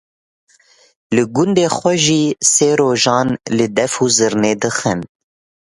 Li gundê xwe jî sê rojan li def û zirnê dixin.